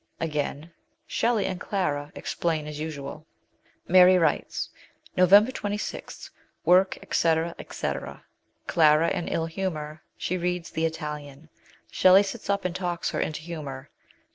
Again " Shelley and Clara explain as usual/' Mary writes " Nov. 26. Work, &c. &c. Clara in ill humour. She reads The Italian. Shelley sits up and talks her into humour." Dec.